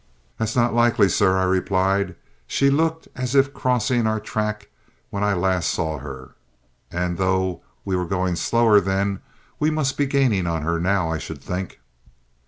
"That's not likely, sir," I replied. "She looked as if crossing our track when I last saw her; and, though we were going slower then, we must be gaining on her now, I should think."